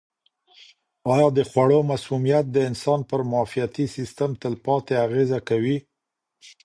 آیا د خوړو مسمومیت د انسان پر معافیتي سیستم تلپاتې اغېزه کوي؟